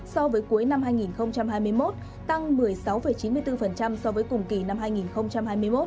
so với cuối năm hai nghìn hai mươi một tăng một mươi sáu chín mươi bốn so với cùng kỳ năm hai nghìn hai mươi một